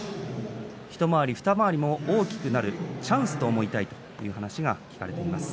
一回りも二回りも大きくなるチャンスだと思いたいという話をしていました。